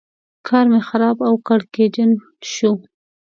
کار مې خراب او کړکېچن شو.